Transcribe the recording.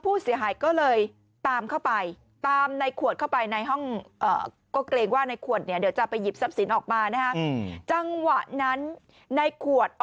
ผู้เสียหายก็เลยตามเข้าไปตามในขวดเข้าไปในห้องก็เกรงว่าในขวดเนี่ยเดี๋ยวจะไปหยิบทรัพย์สินออกมานะฮะจังหวะนั้นในขวด